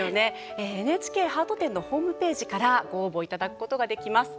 ＮＨＫハート展のホームページからご応募いただくことができます。